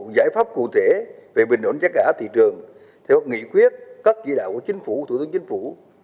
giải pháp cụ thể về bình ổn giá cả thị trường theo nghị quyết các chỉ đạo của chính phủ thủ tướng chính phủ